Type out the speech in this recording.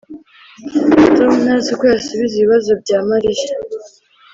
tom ntazi uko yasubiza ibibazo bya mariya